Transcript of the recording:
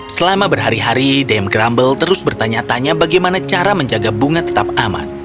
selama berhari hari dame grumble terus bertanya tanya bagaimana cara menjaga bunga tetap aman